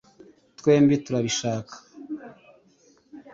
twembi turabishaka